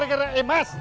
aku mau ke kantor